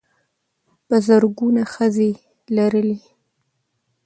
په زرګونه ښځې لرلې.